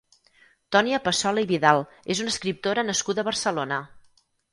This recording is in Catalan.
Tònia Passola i Vidal és una escriptora nascuda a Barcelona.